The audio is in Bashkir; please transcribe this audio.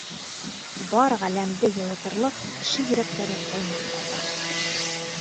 Бар ғаләмде йылытырлыҡ Кеше йөрәктәре ҡайнап ҡата.